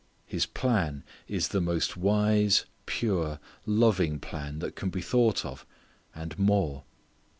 His plan is the most wise, pure, loving plan that can be thought of, _and more.